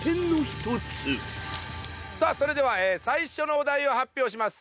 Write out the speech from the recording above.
さあそれでは最初のお題を発表します。